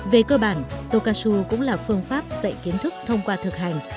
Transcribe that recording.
về cơ bản tokatsu cũng là phương pháp dạy kiến thức thông qua thực hành